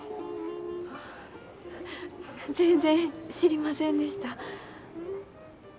あ全然知りませんでした。